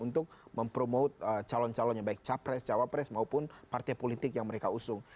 untuk mempromote calon calonnya baik capres cawapres maupun partai politik yang mereka usung